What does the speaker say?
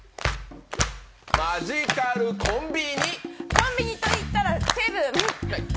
コンビニといったらセブン。